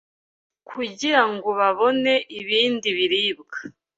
kugira ngo babone ibindi biribwa